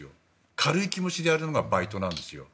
軽い気持ちでやるのがバイトなんですよ。